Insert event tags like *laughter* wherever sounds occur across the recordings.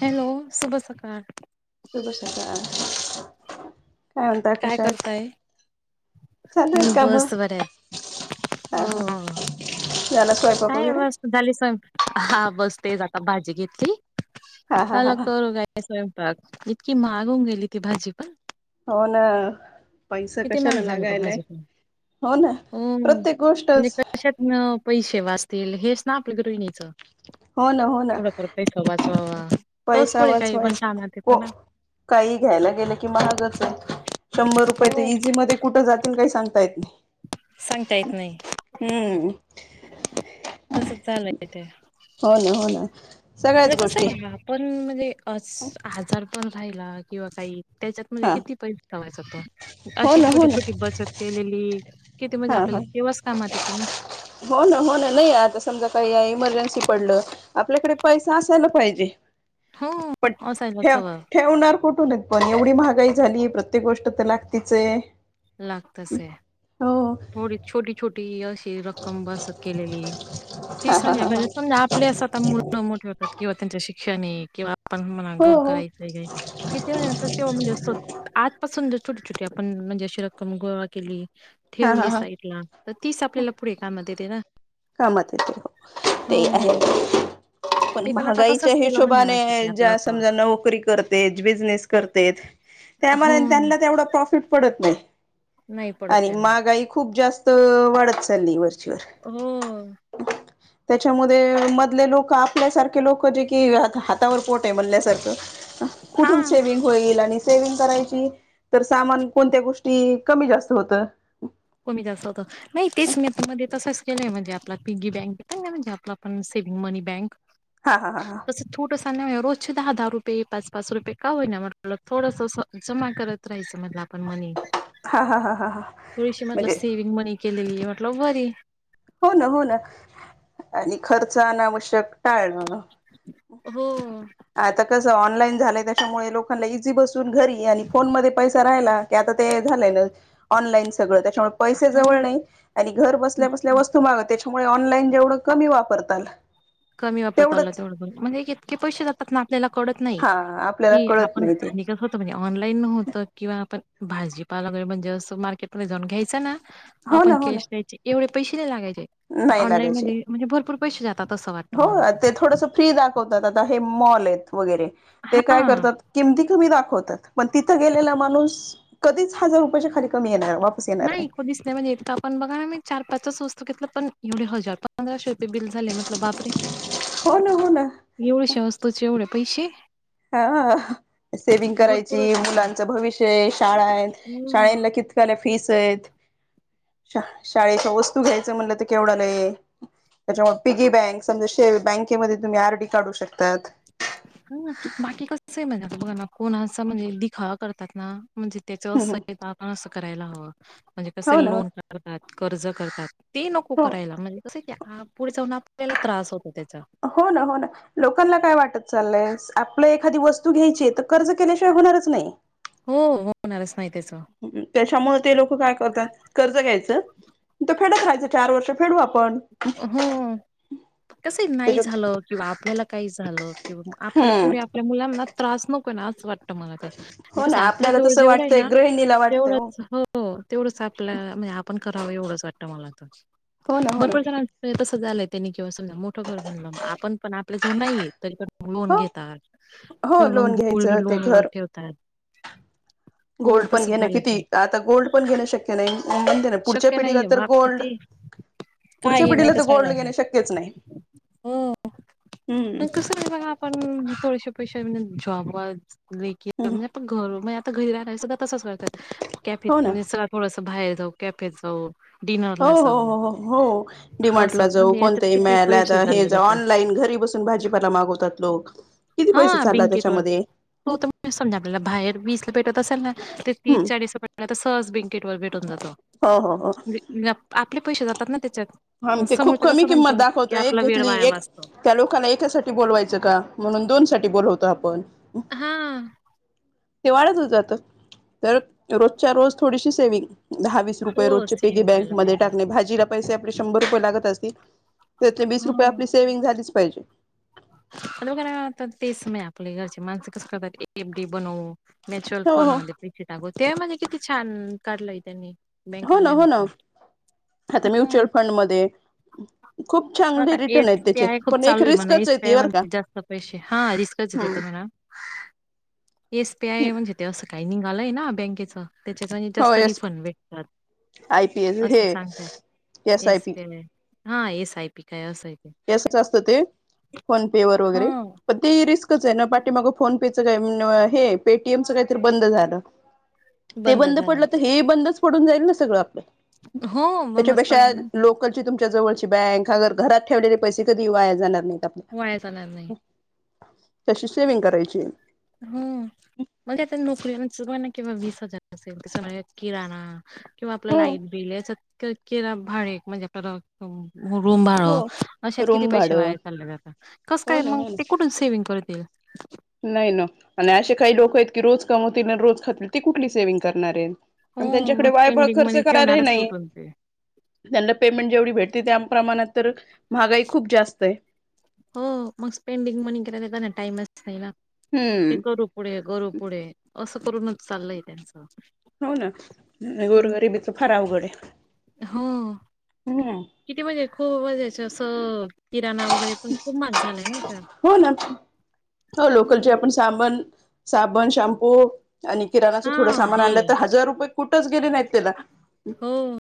Hello सुुभ सकाल सुभ सकाळ काय म्हता कशा आहेत चालू आहेत हम्म काम बस बरं आहे. हा हा न स्वयपाक वगैरे झाले स्वय हा बस तेच आता भाजी घेतली हा हा हा चला हा करू काय स्वयंपाक इतकी माहाग होऊन गेली ती भाजी पण, हो ना, पैसा किती कशाला महाग झालं होत लागायलाय भाजी पण हो ना हो प्रत्येक म्हणजे गोष्टच, पैसे वाचतील हेच ना आपल्या गृहिणीचं हो ना हो ना काही त वाचवावा तोच पैसा पुढे काही पण वाचवायचं. कामात को येत ना काही घ्यायला गेलं की महागच आहे. शंभर रुपये तं हो इझीमध्ये कुठं जातील. काही सांगता येत नाही. सांगता येत नाही. हम्म, तसंच चालंय येते. हो न, हो न, म्हणजे कसं आहे. आपण म्हणजे अस आजार पण राहिला किंवा काही त्याच्यात म्हणजे हा किती पैसे ठेवायचं आपण. हो अशी ना हो छोटी ना छोटी बचत केलेली किती म्हणजे हा आपल्याला हा तेवास कामात येते ना, हो न, हो न, नाही आता समजा काही इमर्जन्सी पडलं. आपल्याकडे पैसा असायला पाहिजे. हो पण असायलाच ठेव हवं ठेवणार कुठूनत पण एवढी महागाई झाली. प्रत्येक गोष्ट तर लागतीच आहे. लागतं से हो थोडी छोटी छोटी अशी रक्कम बसत केलेली, हा *unintelligible* हा हा हा समजा आ प्लेस आता मुलं मोठे होतात. किंवा त्यांचे शिक्षणे हे किंवा पण म्हणा हो घर हो करायचंय काही, किती वेळातच तेव्हा म्हणजे स्वतः आत पासून जर छोटी छोटी आपण म्हणजे अशी रक्कम गोळा केली. हा हा ठेवली हा साईड ला त तीस आपल्याला पुढे कामात येते ना, कामात येते हो. हो तेही हो आहे. पण ते आता महागाईच्या तसंच केलं म्हणजे असतं हिशोबाने ते आपलं ज्या समजा नोकरी करत तेज बिजनेस करतेत. त्या हो मानाने त्यांना तेवढं प्रॉफिट पडत नाही. नाही पडत आणि त्यांना. महागाई खूप जास्त वाढत चालली. वरच्यावर हो. त्याच्यामध्ये मधले लोक आपल्यासारखे लोक जे कि, हातावर पोट आहे म्हणल्यासारखं. हा कुठून सेविंग होईल आणि सेविंग करायची. तर सामान कोणत्या गोष्टी कमी जास्त होतं. कमी जास्त होतात. नाही तेच मी पण मध्ये तसंच केलंय. म्हणजे आपला पीगी बँक येत ना, म्हणजे आपलं आपण सेविंग मनी बँक *inaudible* हा हा हा ह, तसं छोटंस *unintelligible* रोजचे दहा दहा रुपये पाच पाच रुपये का होईना, म्हटलं थोडंसं असं जमा करत उतरायचं म्हणलं आपण मनी हा हा हा हा हा, थोडीशी म्हटलं म्हणजे सेविंग मनी केलीली म्हटलं बरी हो न, हो न, आणि खर्च अनावश्यक टाळणं. हो हो. आता कसं ऑनलाईन झालंय. त्याच्यामुळे लोकांना इझी बसून घरी आणि फोन मध्ये पैसा राहिला ते आता ते झालेले ऑनलाईन सगळं. त्याच्यामुळे पैसे जवळ हा नाही. आणि घर बसल्या बसल्या वस्तू तु मागवते. त्याच्यामुळे ऑनलाईन जेवढं कमी वापरताल कमी वापरता आला तेवढंच तेवढं बरं. म्हणजे इतके पैसेा जात त आपल्याला कळत नाही. हा आपल्याला कि कळत आपण नाही ते *unintelligible* त म्हणे ऑनलाईन नव्हतं किंवा आपण भाजीपाल वगैरे म्हणजे असं मार्केटमध्ये जाऊन घ्यायचं ना, हो आपण ना हो ना कॅश द्यायचे एवढे पैसे नाही लागायचे. नाही ऑनलाईन लागायचे मध्ये म्हणजे भरपूर पैसे जातात. असं वाट हो ते थोडस फ्री दाखवतात. आता हे मॉल आहेत वगैरे ते काय हा करतात किमती तुम्ही दाखवतात पण तिथ गेलेला माणूस कधीच हजार रुपयच्या खाली कमी येणार वा नाय कधीच नाय म्हणज इतका पण बघा ना मी चार पाच वस्तू घेतलं पण एवढे हजार पंधराशे रुपये बिल झाले म्हटलं बापरे. हो ना हो ना. एवढुशा वस्तूचे एवढ पैसे? हा सेविंग करायची भरपूर होतात ना. मुलांचं भविष्य आय शाळा आयत हम्म. शाळेनला कित त्याला फीस आयत शाळेच्या वस्तू घ्यायच म्हणलं तर केवढ्यालय त्याच्यामुळ पिगी बँक समजा बँकेमध्ये तुम्ही आर डी काढू शकतात. हा बाकी कस आय म्हणा आता बघाना कोणा असं म्हणजे दिखावा करतात ना. म्हणजे त्याचं असं हे हो तर आपण असं करायला हवं म्हणजे कस ना लोन करतात कर्ज करतात. ते नको हो करायला म्हणजे कसं की पुढे जाऊन आपल्याला त्रास होतो त्याचा. हो ना हो ना. लोकांना काय वाटत चाललंय आपलं एखादी वस्तू घ्यायची तर कर्ज केल्याशिवाय होणारच नाय. हो हो, होणारच त्याच. त्याच्यामुळ ते लोक काय करतात कर्ज घ्यायचं त फेडत राहायचं चार वर्ष फेडू आपण. हम्म. कसं नाय त्याच्यात झालं किंवा आपल्याला काय झालं किंवा म आपल्या हम्म पुढे मुलांना त्रास नकोय ना असं वा टतं मला तर म्हंजे हो कस ना आपल्या आपल्याला जवळ तसं जेवढं आय वाटतंय ना गृहिणीला वाटतंय तेवढंच हो तेवढंच आपल्या म्हणजे आपण करावं एवढंच वाटतं मला तर. हो ना हो ना भरपूर जणांचं तसं झालंय त्यांनी किंवा समजा मोठं घर बांधलं म आपण पण आपल्या जवळ नाहीये तरी पण लोन हो घेतात, हो किंवा मग लोन गोल्ड घ्यायचं ते लोन वर घर ठेवतात. हो गोल्ड पण तसंच घेणं झालंय ते किती आता गोल्ड पण घेणं शक्य नाय. शक्य नाय बाप किती काय पुढच्या हे पिढीला तर माहितच नाय गोल्ड मला हे, घेणे शक्यच नाही हो पण हम्म कसं काय बघा पण तुळशी पेक्षा म्हणजेच जॉबच लेखी *unintelligible* घर म्हणे आता घरी राहणारे सगळ तंसच करत्यात हो कॅफेत ना चला थोडंसं बाहेर जाऊ. कॅफेत जाऊ. हो डिनरला जाऊ हो हो हो असं डीमार्टला जाऊ म्हणजे याच्यात कोणतही किती मिळाय पैसे आता हे चालले जाव जाता ऑनलाईन घरी बस सुन भाजीपाला मागवतात लोक किती हा पैसे चालला बिंकिट वर त्याच्यामध्ये. तो हम्म तर समजा आपल्याला बाहेर वीसला पेटत असेल ना ते तीस चाळीस रुपये ला सहज ब्लिंकिट वर भेटून जात. हो हो हो. म्हणजे आपले पैशे जातात ना त्याच्यात. हां मग ते खूप समोरचा कमी कसं किंमत म्हणतो, की दाखवतय एक आपला वेळ घेतली वाया एक वाचतो. त्या लोकांला एकासाठी बोलवायचं का म्हणून दोन साठी बोलवतो आपण. हा. ते वाढचतच जात तर रोजच्या रोज थोडीशी सेविंग दहा वीस रुपये हो, रोज पीगी सेव्हिंग बँक करायला मध्ये पाहिजे. टाकणे भाजीला पैसे आपले शंभर रुपये लागत असतील तर ते वीस हो. रुपये आपले सेव्हंग झालीच पाहिजे. *unintelligible* तेच समय आपले घरचे माणस कसं करतात एफ डी बनवू. मेचुअल हो फोन हो मध्ये पिकि टाकू ते म्हणजे किती छान काढलंय त्यांनी. हो ना हो बँकवाल्यांनी ना, पण. आता हं. म्युच्युअल फंड मध्ये खूप हा आता चांगले रिटर्न एस आहेत पी त्याचे आय खूप पण एक चालू आय म्हणे एस रिस्कच आहे पी ती आय बर का मध्ये जास्त पैसे हा रिस्कच ते हम्म तर म्हणा. एस पी ती आय म्हणजे ते असं काही निघालंय ना बँकेचं त्याच्यात आणि हो जास्त येस रिफंड भेटतात. आय पी एल, हे असं सांगते एस आय पी. हा एस आय पी काय असयं हे असचं असतं ते फोन पे वर हा वगैरे, पण ते रिस्कच आहे ना पाठीमाग फोन पे त्याचं काय नव्हं हे पे टी एम च काय तर बंद झालं, ते बंद पडलं तर हे ही बंदच पडून जाईल ना सगळ आपलं हो मग मस्त त्याच्यापेक्षा पडेल ना, लोक- कची तुमच्या जवळची बँक अगर घरात ठेवले पैसे कधी वाया जाणार नाहीत आपले वायाजाणार नाही. कशी सेव्हिंग करायची? हो, म्हणजे आता नोकरी *inaudible* किंवा वीस हजार असेल किराणा किंवा आपला हो लाईट बिल याचा कि-किरा भाडे म्हणजे *unintelligible* रूम भाड हो अशात किती रूम पैसे भाडं वाय चाललेत आत कसं हो काय ना मग हो ना ते कुठून सेव्हिंग करतील. *unintelligible* नाही ना, आणि असे काही लोक आहेत की रोज कमवतील आणि रोज खातील ती कुठली सेव्हिंग करणार आहेत. हो आणि त्यांच्याकडे मग वायफळ पेंडिंग खर्च मनी करायलाही ठेवणारच नाही. कुठून ते त्यांना पेमेंट जेवढी भेटते त्या प्रमाणात तर महागाई खूप जास्त आहे. हो, मग स्पेंडिंग मनी केरा का नाही टाइमच नाही ना ते हम्म करू पुढे करू पुढे असं करूनचं चाललंय त्यांचं हो ना, हम्म. गोरगरिबीचं फार अवघड आहे. हो हम्म किती महिने खूप मजाची असं किराणा वगैरे पण खुप महाग झालाय ना आता, हो हम्म. साबंल-साबण, शॅम्पू आणि किराणाचं थोडं हा सामान हे आणलं तर हजार रुपये कुठचं गेले नाहीत त्याला हो.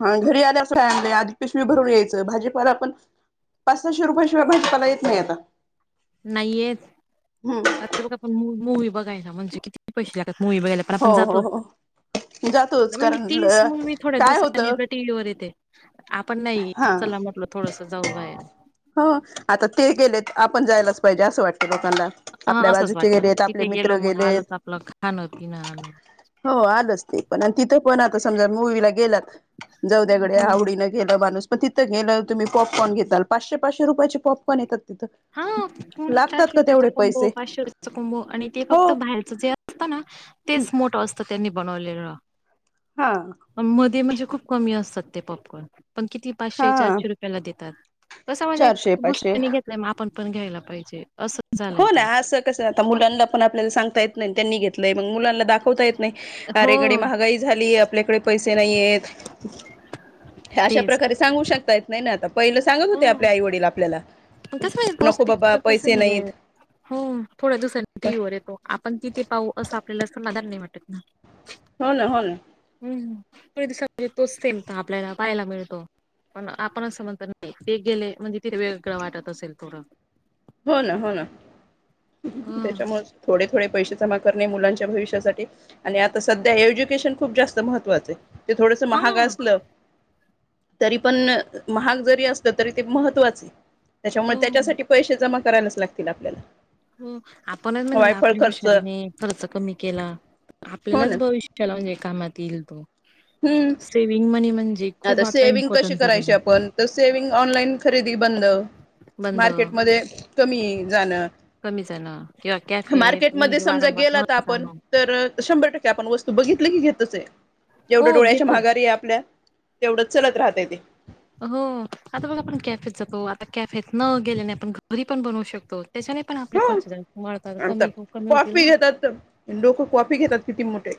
हा, घरी आल्यावर फ्राय आणलयं, आधी पिशवी भरवून यायचं भाजीपाला पण पाचसाशे रुपयाशिवाय भाजीपाला येत नाही आता. नाही येत, हम्म आता बघ आपण मूव्ही बघायला म्हणजे किती पैसे लागत मूव्ही बघायला? पण आपण हो जातो, हो हो जातोच म्हणजे कारण तीच मूव्ही थोड्या काय दिवसाांनी होतं टीव्ही वर येते. आपण नाही, हा चला म्हटलं थोडसं जाऊ बाहेर. हो, आता ते गेलेत आपण जायलाचं पाहिजे असं वाटत लोकांना. हा, आपल्या असंच बाजूचे वाटतं गेलेत आपले तिथे गेलो मित्र मग गेलेत आलं आपलं खाणं, पिणं आलं. हो आलंच ते पण, आणि तिथं पण आता समजा मूव्हीला गेलात जाऊद्याकडे हो आवडीन गेलं माणूस पण तिथे गेल्यावर तुम्ही पॉपकॉन घेताल, पाचशे-पाचशे रुयाचे पॉपकॉन येतात. तिथं हा, कोणी लागतात चारशे का रुपयांचा तेवढे कॉम्बो, पैसे पाचशे रुपयांचा कॉम्बो आणि ते हो फक्त बाहेरचं जे असता ना, तेच मोठं असतं त्यांनी बनवलेलं.. हा. पण मध्ये म्हणजे खूप कमी असतात ते पॉपकॉर्न पण किती पाचशे, हा चारशे रुपयाला देतात कसं म्हणजे चारशे *unintelligible* पाचशे नाही मग आपण पण घ्यायला पाहिजे असं झालंय हो ना, ते असं कसं आता मुलांना पण आपल्याला सांगता येत नाही त्यांनी घेत नाही, मग मुलांना दाखवता येत नाही. हो अलीकडे महागाई झाली आहे आपल्याकडे. पैसे नाही येत, हे अशा तेच प्रकारे सांगू शकतायं. नाही ना, आता पहिलं सांगत हो होते आपले आई-वडील आपल्याला, पण कसं म्हणजे तोच नको बाबा, पिक्चर कसं पैसे म्हणजे नाहीत. हो थोड्या दिवसांनी *unintelligible* येतो आपण तिथे पाहू असं आपल्याला सां मदर नाही वाटत ना, हो ना हो ना ह दिवसाजे तोचल तर आपल्याला पाहायला मिळतो पण आपणचमजत, ते गेले म्हणजे तिथेगळं वाटत असेल थोडं हो ना हो ना ह त्याच्यामुळे, थोडे थोडे पैसे जमा करणे मुलांच्या भविष्यासाठी, आणि आता सध्या एज्युकेशन खूप जास्त महत्त्वाचं, ते थोडंस हा महाग असलं, तरी पण महाग जरी असलं तरी ते महत्त्वाचे त्याच्यामुळे हो त्याच्यासाठी पैसे, जमा करायलाच लागतील आपल्याला, हो आपणच म्हणजे वायफळ आपली खर्च हुशारीने हो खर्च कमी केला ना आपल्यालाच भविष्य, चला म्हणजे कामात येईल तो. हम्म सेविंग मणी आता सेव्हंग कशी करायची आपण तर सेव्हंग ऑनलाईन खरेदी बंद. बंद मार्केटमध्ये कमी जाणं. कमी जाणं किंवा कॅफे मार्केट म म्हणजे समजा वारंवार गेला न तर आपण जाणं तर, शंभर टक्के आपण वस्तू बघितली की घेतच आहे, एवढ्या हो डोळ्याच्या घेतो महागारी आहे आपल्या, तेवढच चलत राहतय ते, हो आता बघ आपण कॅफेत जातो आता कॅफेत न गेल्याने आपण घरी पण बनवू शकतो. त्याच्याने पण आपले हो खर्च वाढतात नंतर कमी कमी होतील ना. *unintelligible* लोक कॉपी घेतात किती मोठे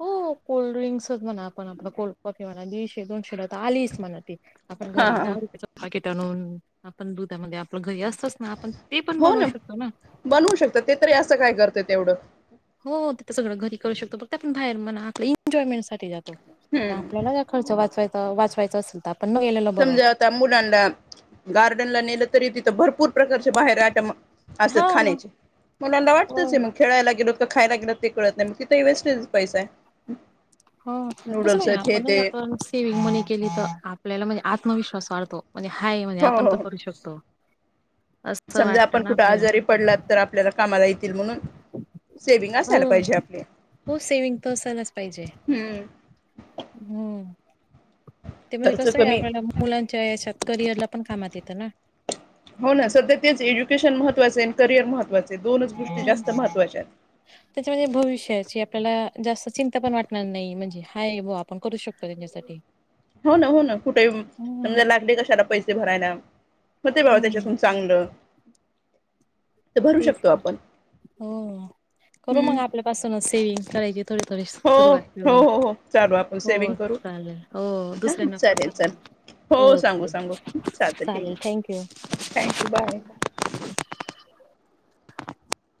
हो कोल्ड्रिंक्सच म्हणा आपण आप कोल्ड कॉफी म्हणा दीडशे दोनशे, आलीस म्हणा त आपण हा घरी हा दा त्या च पाकिट आणून आपण दुधामध्ये आपलं घरी असतच, ह आपण ते पण बनवू शकतो ना, बनवू शकतात ते तरी असं काय करत तेवढं हो तिथं सगळं घरी करू शकतो बघ ते आपण बाहेर म्हणा आपलं एन्जॉयमेंट साठी जातो हम्म आपल्याला, खर्च वाचवायचं वाचवायचं असेल तर पण न गेलेलं बरं, त्या मुलांना गार्डनला नेलं तरी तिथं भरपूर प्रकारच्या बाहेर आटम असत हा खाण्याचे मुलांना वाटतच हो हे म खेळायला गेलोत का खायला गेलो ते कळत नाही मग तिथ वेस्ट पैसा, हो तसं नूडल्स म्हण आहेत हे आपणच ते आपण सेविंग मनी केली तर आपल्याला म्हणजे आत्मविश्वास वाढतो. म्हणजे हाय म्हणजे हो आपण हो पण करू शकतो. असं समजा वाटतं आपण ना कुठं आपल्याला. आजारी पडला तर आपल्याला कामाला येतील म्हणून, सेविंग हो असायला पाहिजे आपली हो सेविंग त असालाच पाहिजे. हम्म, हम्म, ते म्हणजे खर्च कसं आहे कमी आपल्याला मुलांच्या याच्यात करिअरला पण कामात येतं ना, हो ना सध्या तेच एज्युकेशन महत्वाचं आहे आणि करिअर महत्वाचे आहे दोनच गोष्टी जास्त महत्त्वाच्या आहेत. त्याच्या म्हणजे भविष्याची आपल्याला जास्त चिंता पण वाटणार नाही म्हणजे हाय ब आपण करू शकतो त्यांच्यासाठी, ह, हो ना हो ना कुठेही समजा लागले कशाला पैसे भरायला मग ते बा हम्म त्याच्या, चांगलं, तर भरू ते शकतो आपण. हो करू मग हम्म आपल्यापासूनच सेविंग करायची, थडथडी हो सुरुवात हो केू हो हो चालू आपण हो सेविंग करू चालेल हो हा दुसऱ्यांना पण चालेल सांग. चालेल हो सांगू चालेल, सांगू चालतं ठीक चालेल थँक आहे यू. Thank you bye.